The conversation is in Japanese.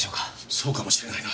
そうかもしれないな。